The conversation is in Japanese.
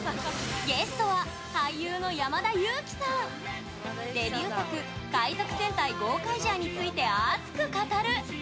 ゲストはデビュー作「海賊戦隊ゴーカイジャー」について熱く語る！